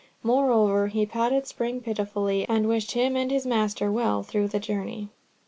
Moreover he patted Spring pitifully, and wished him and his master well through the journey.